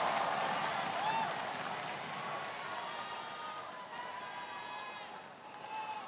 danah yang berharga dan kemampuan